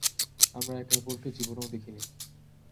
আমরা একে-অপরকে জীবনেও দেখিনি।